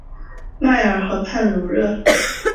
迈尔河畔卢热。